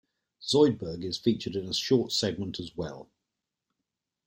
Zoidberg is featured in a short segment as well.